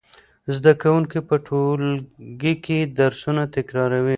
زده کوونکي په ټولګي کې درسونه تکراروي.